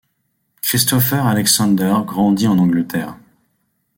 Christopher Alexander grandit en Angleterre.